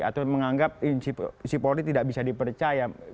atau menganggap isi polri tidak bisa dipercaya